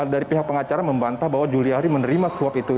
dari pihak pengacara membantah bahwa juliari menerima suap itu